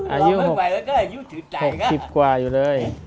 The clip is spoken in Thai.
อายุ๖๐กว่าอยู่เลย